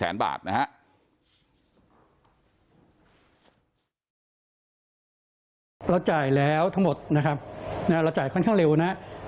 เราจ่ายแล้วทั้งหมดนะครับเราจ่ายค่อนข้างเร็วนะครับ